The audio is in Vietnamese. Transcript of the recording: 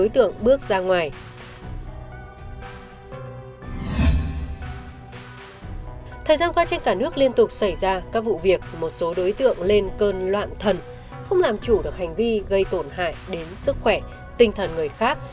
thời gian qua trên cả nước liên tục xảy ra các vụ việc một số đối tượng lên cơn loạn thần không làm chủ được hành vi gây tổn hại đến sức khỏe tinh thần người khác